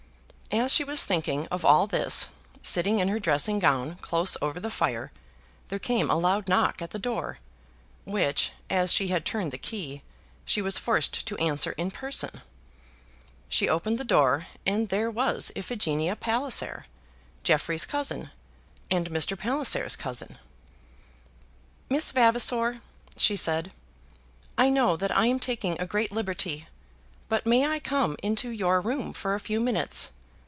As she was thinking of all this, sitting in her dressing gown close over the fire, there came a loud knock at the door, which, as she had turned the key, she was forced to answer in person. She opened the door, and there was Iphigenia Palliser, Jeffrey's cousin, and Mr. Palliser's cousin. "Miss Vavasor," she said, "I know that I am taking a great liberty, but may I come into your room for a few minutes?